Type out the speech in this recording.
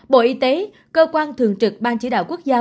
bộ y tế cơ quan thường trực ban chỉ đạo quốc gia